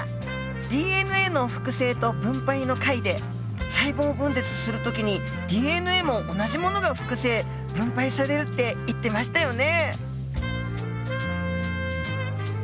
ＤＮＡの複製と分配の回で細胞分裂する時にＤＮＡも同じものが複製分配されるって言ってましたよね！